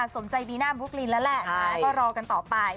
สมใจบีน่าบุ๊กลินแล้วแหละก็รอกันต่อไป